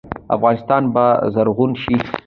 افغانستان به زرغون شي.